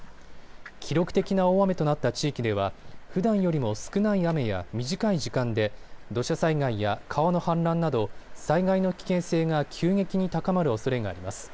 記録的な大雨となった地域ではふだんよりも少ない雨や短い時間で土砂災害や川の氾濫など災害の危険性が急激に高まるおそれがあります。